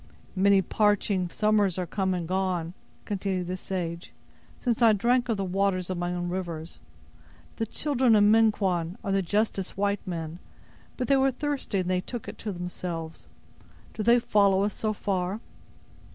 "Many parching summers are come and gone," continued the sage, "since I drank of the water of my own rivers. The children of Minquon are the justest white men, but they were thirsty and they took it to themselves. Do they follow us so far?"